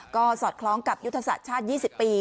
ก็สอดคล้องกับยุทธศาสตร์ชาติ๒๐ปี